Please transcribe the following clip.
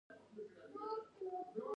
کوچي ته غوسه ورغله!